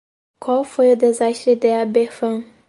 Qual foi o desastre de Aberfan?